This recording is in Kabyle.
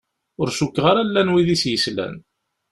Ur cukkeɣ ara llan wid i s-yeslan.